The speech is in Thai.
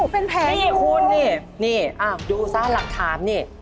เป็นแผงอยู่นี่คุณนี่อ้าวดูซ้านหลักคามนี่